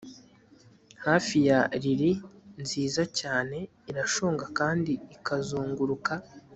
Hafi ya lili nziza cyane irashonga kandi ikazunguruka